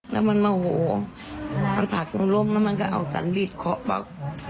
แล้วมันโมโหมันผลักลงแล้วมันก็เอาสันมี่ขอบอก